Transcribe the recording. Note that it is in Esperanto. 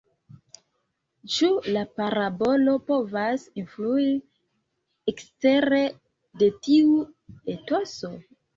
Ĉu la parabolo povas influi ekstere de tiu etoso?